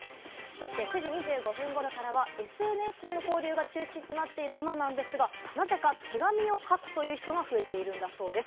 ９時２５分頃からはＳＮＳでの交流が中心となっている今なんですが、なぜか手紙を書くという人が増えているんだそうです。